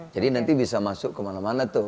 jadi nanti bisa masuk kemana mana tuh